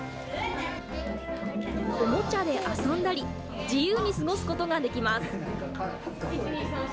おもちゃで遊んだり、自由に過ごすことができます。